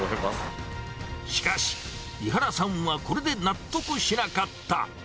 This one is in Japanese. しかし、井原さんはこれで納得しなかった。